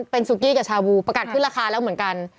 เป็นซุกี้กับชาวูประกาศขึ้นราคาแล้วเหมือนกัน